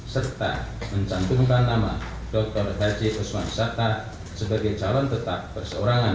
serta mencantumkan nama dr haji usman sata sebagai calon tetap perseorangan